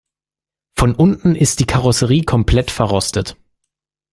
Von unten ist die Karosserie komplett verrostet.